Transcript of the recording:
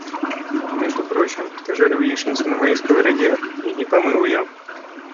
Между прочим, ты жарил яичницу на моей сковороде и не помыл ее.